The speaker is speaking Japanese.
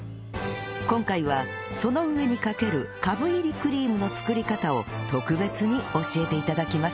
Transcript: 今回はその上にかけるカブ入りクリームの作り方を特別に教えて頂きます